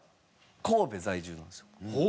神戸在住なんですよ。